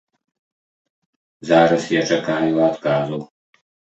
Зараз я чакаю адказу.